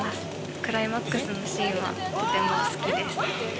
クライマックスのシーンはとても好きです。